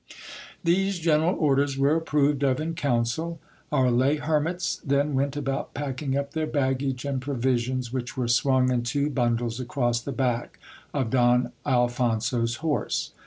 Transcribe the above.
These general orders were approved of in council. Our lay hermits then went about packing up their baggage and provisions, which were swung in two bundles across the back of Don Alphonso's horse.